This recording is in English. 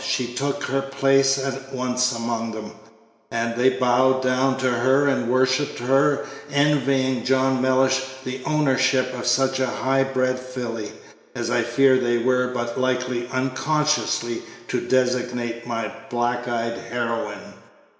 She took her place at once among them, and they bowed down to her and worshipped her, envying John Mellish the ownership of such a high bred filly, as I fear they were but likely, unconsciously, to designate my black eyed heroine.